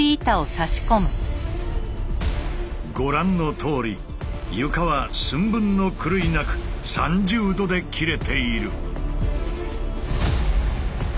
ご覧のとおり床は寸分の狂いなく３０°で切れている。